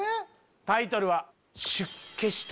タイトルは。